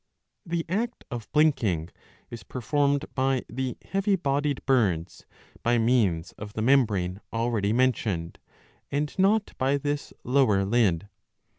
The act of blinking is performed by the heavy bodied birds' by means of the membrane already mentioned, and not by this lower lid.